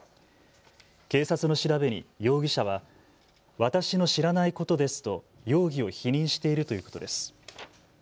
警察の調べに容疑者は私の知らないことですと容疑を否認しているということです。